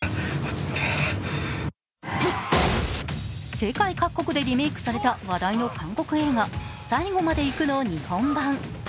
世界各国でリメークされた話題の韓国映画「最後まで行く」の日本版。